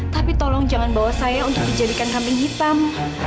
tapi tolong jangan bawa saya untuk dijadikan kambing hitam